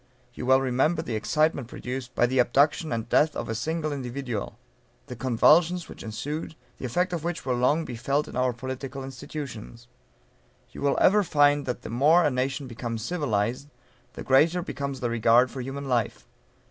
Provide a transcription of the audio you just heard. You well remember the excitement produced by the abduction and death of a single individual; the convulsions which ensued, the effect of which will long be felt in our political institutions. You will ever find that the more a nation becomes civilized, the greater becomes the regard for human life.